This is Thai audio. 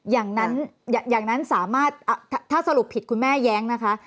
อย่างนั้นสามารถถ้าสรุปผิดคุณแม่แย้งนะคะ